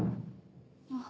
あ。